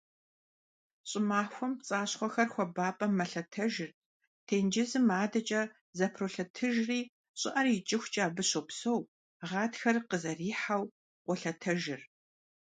Щӏымахуэм пцӏащхъуэхэр хуабапӏэм мэлъэтэжыр, тенджызым адэкӏэ зэпролъэтыжри щӏыӏэр икӏыхукӏэ абы щопсэу, гъатхэр къызэрихьэу, къолъэтэжыр.